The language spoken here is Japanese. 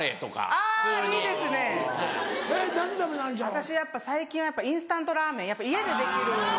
私最近はやっぱインスタントラーメン家でできる。